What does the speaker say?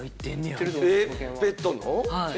えっペットの？